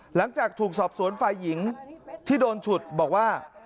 หลังจากถูกสอบสวนฝ่ายหญิงที่โดนฉุดบอกว่า